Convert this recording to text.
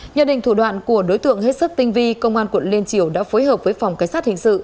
nhờ đình thủ đoạn của đối tượng hết sức tinh vi công an quận liên triều đã phối hợp với phòng cảnh sát hình sự